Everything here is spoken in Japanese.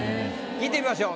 聞いてみましょう。